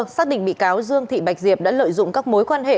xác định bị cáo dương thị bạch diệp đã lợi dụng các mối quan hệ